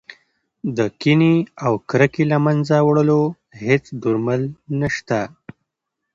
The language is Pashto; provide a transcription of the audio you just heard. د کینې او کرکې له منځه وړلو هېڅ درمل نه شته.